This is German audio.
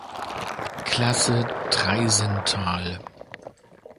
Klasse Traisental.